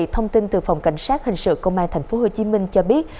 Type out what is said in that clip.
thông tin từ phòng cảnh sát hình sự công an tp hcm cho biết